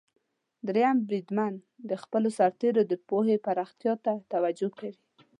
دریم بریدمن د خپلو سرتیرو د پوهې پراختیا ته توجه کوي.